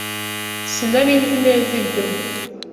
Sinari nzi neza ibyo.